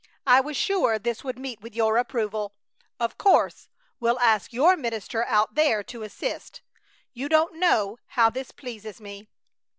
I was sure this would meet with your approval. Of course, we'll ask your minister out there to assist. You don't know how this pleases me.